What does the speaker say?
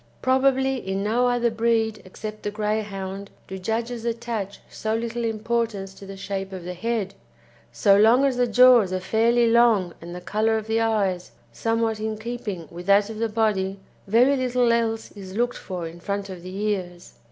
Probably in no other breed, except the Greyhound, do judges attach so little importance to the shape of the head; so long as the jaws are fairly long and the colour of the eyes somewhat in keeping with that of the body, very little else is looked for in front of the ears.